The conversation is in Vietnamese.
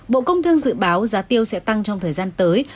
bộ công thương dự báo giá tiêu sẽ tăng trong thời gian tới